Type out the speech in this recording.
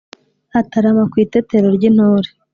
atarama ku itetero ry'intore